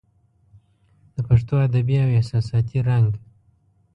د پښتو ادبي او احساساتي رنګ